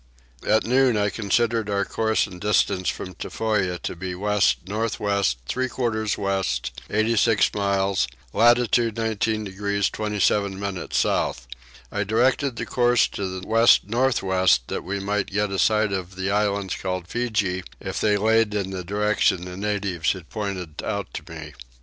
At noon I considered our course and distance from Tofoa to be west north west three quarters west 86 miles, latitude 19 degrees 27 minutes south. I directed the course to the west north west that we might get a sight of the islands called Feejee if they laid in the direction the natives had pointed out to me.